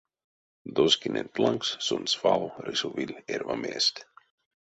Доскиненть лангс сон свал рисовиль эрьва мезть.